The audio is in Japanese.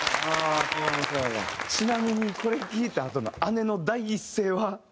ちなみにこれ聴いたあとの姉の第一声は？